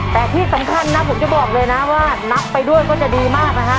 แต่ที่สำคัญนะผมจะบอกเลยนะว่านับไปด้วยก็จะดีมากนะฮะ